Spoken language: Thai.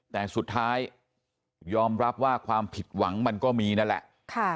แต่สุดท้ายยอมรับว่าความผิดหวังมันก็มีนั่นแหละ